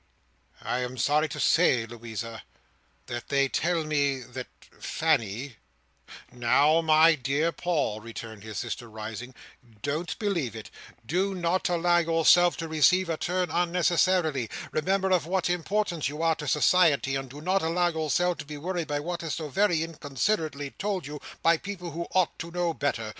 "I am sorry to say, Louisa, that they tell me that Fanny—" "Now, my dear Paul," returned his sister rising, "don't believe it. Do not allow yourself to receive a turn unnecessarily. Remember of what importance you are to society, and do not allow yourself to be worried by what is so very inconsiderately told you by people who ought to know better.